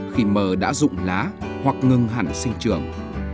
khi mờ đã rụng lá hoặc ngừng hẳn sinh trường